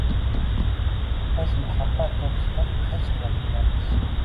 Biz muhabbat to‘g‘risida hech nima bilmaymiz